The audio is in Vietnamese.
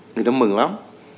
người ta mừng lắm